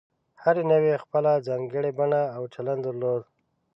هرې نوعې خپله ځانګړې بڼه او چلند درلود.